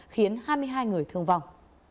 khiến hai mươi hai người thương vong